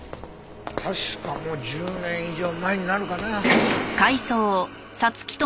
確かもう１０年以上前になるかな。